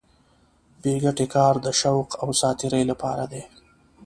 بې ګټې کار د شوق او ساتېرۍ لپاره دی.